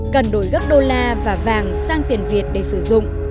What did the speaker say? cần đổi gấp đô la và vàng sang tiền việt để sử dụng